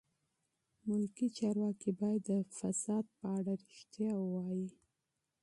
ملکي چارواکي باید د فساد په اړه رښتیا ووایي.